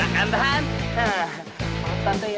ada apa nani